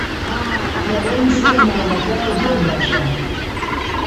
کەرەی سەر نانەکە زۆر باشە.